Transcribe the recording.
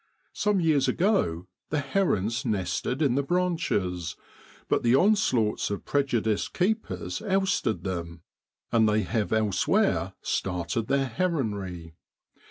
Some years ago the herons nested in the branches, but the onslaughts of prejudiced keepers ousted them, and they have elsewhere started their heronry.